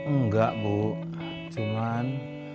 enggak bu cuman